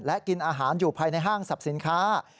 และกินอาหารอยู่ภายในห้างสรรพสินค้า